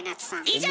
以上！